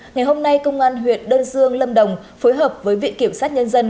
ngày hôm nay công an huyện đơn dương lâm đồng phối hợp với viện kiểm sát nhân dân